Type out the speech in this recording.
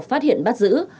phát hiện bắt giữ